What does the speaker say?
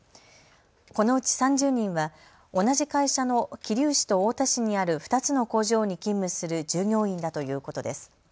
このうち３０人は同じ会社の桐生市と太田市にある２つの工場に勤務する従業員だということです。